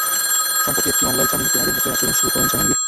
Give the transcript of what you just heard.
সম্প্রতি একটি মামলায় জামিন পেয়ে আগের মতোই আচরণ শুরু করেন জাহাঙ্গীর।